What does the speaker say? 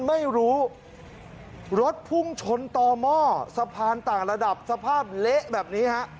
ไม่รู้รถพุ่งชนต่อหม้อสะพานต่างระดับสภาพเละแบบนี้ฮะ